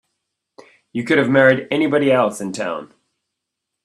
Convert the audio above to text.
You could have married anybody else in town.